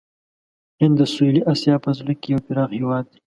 هند د سویلي آسیا په زړه کې یو پراخ هېواد دی.